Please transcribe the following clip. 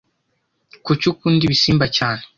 Kuki ukunda ibisimba cyane?